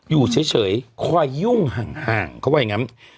อยู่เฉยคอยยุ่งห่างเขาว่าอย่างนั้น